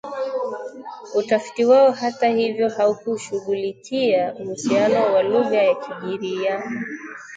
Utafiti wao hata hivyo haukushughulikia uhusiano wa lugha ya Kigiriama